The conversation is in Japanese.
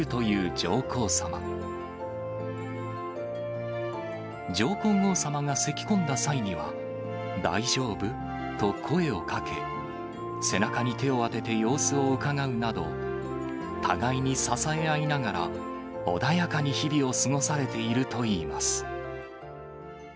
上皇后さまがせきこんだ際には、大丈夫？と声をかけ、背中に手を当てて様子をうかがうなど、互いに支え合いながら、穏やかに日々を過ごされているといいます。